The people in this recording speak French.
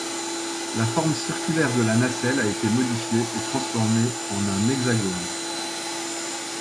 La forme circulaire de la nacelle a été modifiée et transformée en un hexagone.